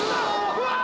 うわ！